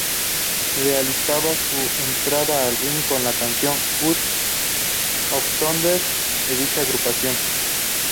Realizaba su entrada al ring con la canción "God of Thunder", de dicha agrupación.